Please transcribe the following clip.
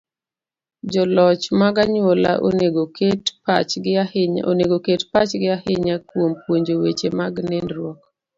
Joloch mag anyuola onego oket pachgi ahinya kuom puonjo weche mag nindruok.